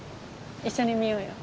一緒に見ようよ。